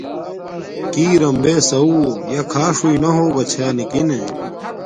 کݵ رَم بݺ سَوُّہ. یݳ کھݳݽ ہݸئنݳ ہݸگݳ چھݳ نِکِنݺ.